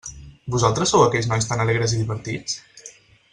Vosaltres sou aquells nois tan alegres i divertits?